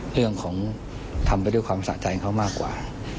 เรื่องของทำไปด้วยความสะใจเขามากกว่า